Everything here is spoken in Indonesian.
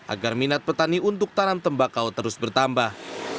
agar minat petani untuk tanam tembakau terus bertambah